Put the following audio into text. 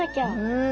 うん。